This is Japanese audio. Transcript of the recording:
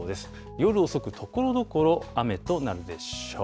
夜遅く、ところどころ雨となるでしょう。